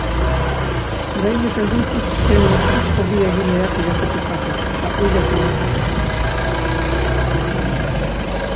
Oraindik ez dituzte ustezko bi egileak identifikatu, eta ihes egin dute.